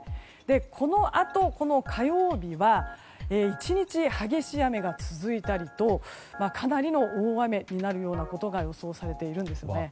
このあと火曜日は１日激しい雨が続いたりとかなりの大雨になることが予想されているんです。